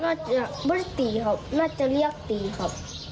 น่าจะไม่ได้ตีครับน่าจะเรียกตีครับ